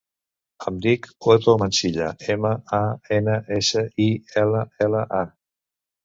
Em dic Otto Mansilla: ema, a, ena, essa, i, ela, ela, a.